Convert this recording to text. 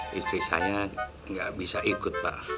pemeriksaannya gak bisa ikut pak